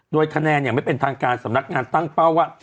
โดยคะแนนอย่างไม่เป็นทางการสำนักงานตั้งเป้าว่า